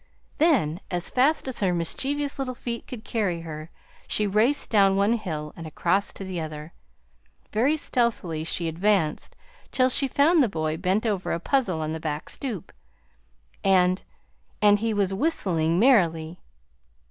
Then, as fast as her mischievous little feet could carry her, she raced down one hill and across to the other. Very stealthily she advanced till she found the boy bent over a puzzle on the back stoop, and and he was whistling merrily.